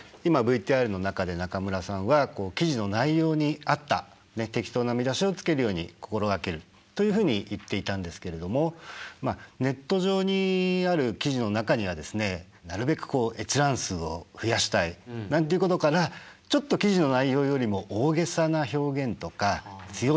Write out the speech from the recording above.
今ＶＴＲの中で中村さんは記事の内容に合った適当な見出しをつけるように心掛けるというふうに言っていたんですけれどもネット上にある記事の中にはですねなるべくこう閲覧数を増やしたいなんていうことからちょっとそうですね。